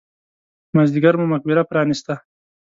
په مازیګر مو مقبره پرانېسته.